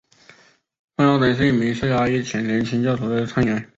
范奥登是一名受压抑的虔诚清教徒和的探员。